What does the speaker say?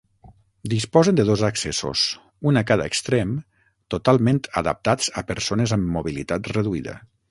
Disposen de dos accessos, un a cada extrem, totalment adaptats a persones amb mobilitat reduïda.